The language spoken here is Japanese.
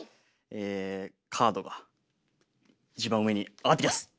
カードが一番上に上がってきます！